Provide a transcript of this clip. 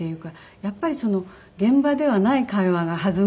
やっぱり現場ではない会話が弾むんですよね。